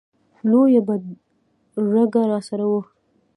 لویه بدرګه راسره وه.